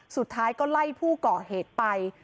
สุดท้ายก็ไล่ผู้ก่อเหตุไป